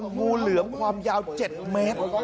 งูเหลือมความยาว๗เมตร